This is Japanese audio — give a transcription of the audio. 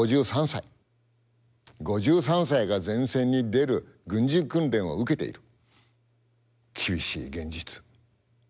５３歳が前線に出る軍事訓練を受けている厳しい現実。